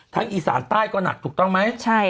อีสานใต้ก็หนักถูกต้องไหม